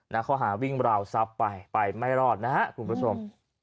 ข้อหาวิ่งราวทรัพย์ไปไปไม่รอดนะฮะคุณผู้ชม